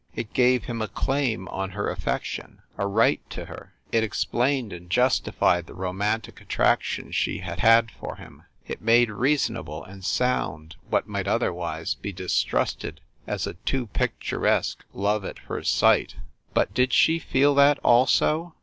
It gave him a claim on her affection, a right to her. It explained and justified the romantic at traction she had had for him; it made reasonable and sound what might otherwise be distrusted as a too picturesque love at first sight. But did she feel that, also?